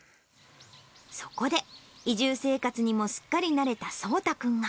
そこで、移住生活にもすっかり慣れた奏太君が。